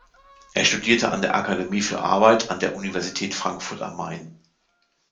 Er studierte an der Akademie für Arbeit an der Universität Frankfurt am Main.